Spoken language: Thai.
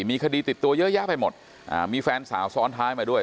มีคดีติดตัวเยอะแยะไปหมดอ่ามีแฟนสาวซ้อนท้ายมาด้วย